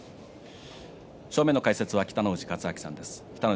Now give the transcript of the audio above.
正面の解説は北の富士勝昭さんです。